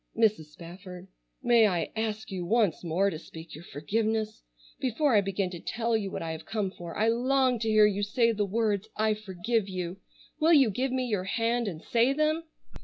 "Mrs. Spafford, may I ask you once more to speak your forgiveness? Before I begin to tell you what I have come for, I long to hear you say the words 'I forgive you.' Will you give me your hand and say them?"